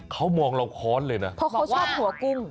เขามองเราค้อนเลยนะเพราะเขาชอบหัวกุ้ง